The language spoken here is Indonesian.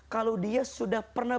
kalau dia sudah pernah